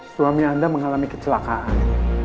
suami anda mengalami kecelakaan